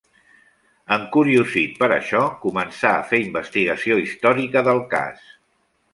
Encuriosit per això, començà a fer investigació històrica del cas.